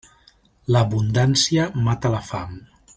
L'abundància mata la fam.